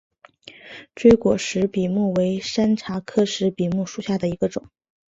锥果石笔木为山茶科石笔木属下的一个种。